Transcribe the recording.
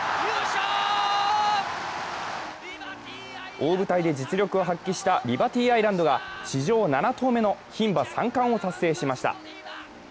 大舞台で実力を発揮したリバティアイランドが史上７頭目のひん馬３冠を達成しました。